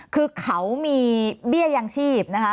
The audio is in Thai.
คือเขามีเบี้ยยังชีพนะคะ